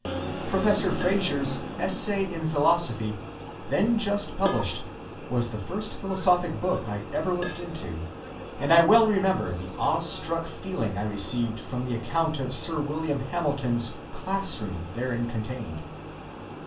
Professor Fraser's Essays in Philosophy, then just published, was the first philosophic book I ever looked into, and I well remember the awe‐ struck feeling I received from the account of Sir William Hamilton's class‐room therein contained.